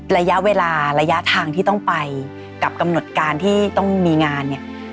ระยะเวลาระยะทางที่ต้องไปกับกำหนดการที่ต้องมีงานเนี่ย